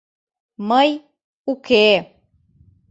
Мый — уке!